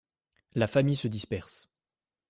La famille se disperse.